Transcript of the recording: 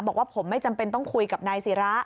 บอกว่าผมไม่จำเป็นต้องคุยกับนายศิระ